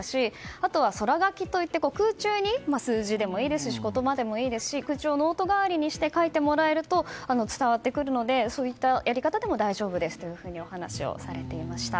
あとは空書きといって空中に数字でもいいですし言葉でもいいですし空中をノート代わりにして書いてもらえると伝わってくるのでそういったやり方でも大丈夫ですとお話をされていました。